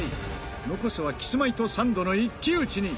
残すはキスマイとサンドの一騎打ちに。